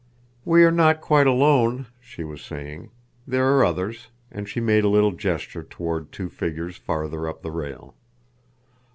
"We are not quite alone," she was saying. "There are others," and she made a little gesture toward two figures farther up the rail.